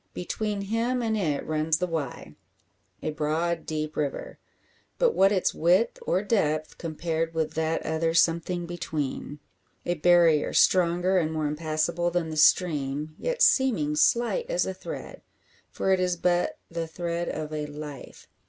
Between him and it runs the Wye, a broad deep river. But what its width or depth, compared with that other something between? A barrier stronger and more impassable than the stream, yet seeming slight as a thread. For it is but the thread of a life.